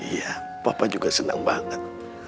iya papa juga senang banget